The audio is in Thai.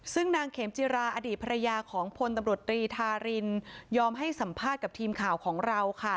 ซึ่งนางเขมจิราอดีตภรรยาของพลตำรวจรีธารินยอมให้สัมภาษณ์กับทีมข่าวของเราค่ะ